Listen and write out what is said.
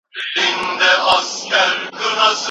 په دغه غونډه کي یوازې تشې نارې وهل کېدې.